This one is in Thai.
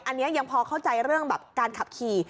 อันนี้ยังพอเข้าใจเรื่องแบบการขับขี่